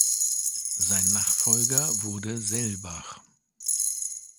Sein Nachfolger wurde Selbach.